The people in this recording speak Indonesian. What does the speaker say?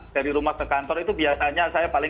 dari rumah ke kantor itu biasanya saya paling